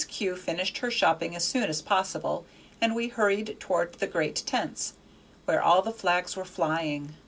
Kew finished her shopping as soon as possible, and we hurried toward the great tents, where all the flags were flying.